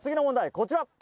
こちら。